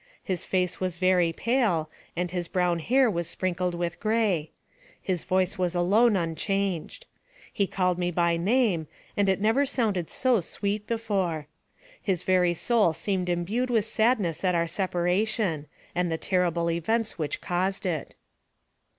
His face was very pale, and his brown hair was sprinkled with gray. His voice was alone unchanged. He called me by name, and it never sounded so sweet be fore. His very soul seemed imbued with sadness at our separation, and the terrible events which caused it.